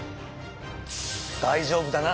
大丈夫だな？